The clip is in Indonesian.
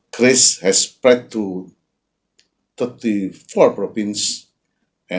kris telah berseparah ke tiga puluh empat kota